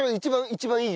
一番いい。